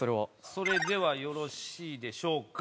それではよろしいでしょうか。